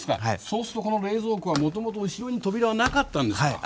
そうするとこの冷蔵庫はもともと後ろに扉はなかったんですか？